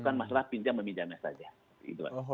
bukan masalah pinjam meminjamnya saja